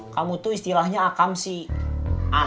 kamu tuh istimewa apa